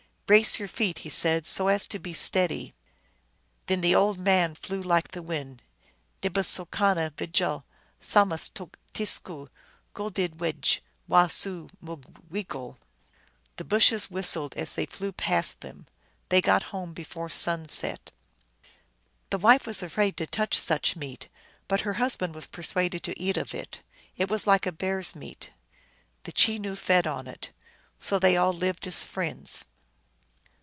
" Brace your feet," he said, " so as to be steady." Then the old man flew like, the wind, nebe sokano v jal samastukteskugul 238 THE ALGONQUIN LEGENDS. did wegwasumug wegul ; the bushes whistled as they flew past them. They got home before sunset. The wife was afraid to touch such meat. 1 But her husband was persuaded to eat of it. It was like bear s meat. The Chenoo fed on it. So they all lived as friends.